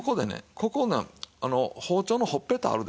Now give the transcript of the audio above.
ここの包丁のほっぺたあるでしょう。